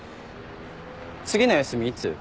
次の休みいつ？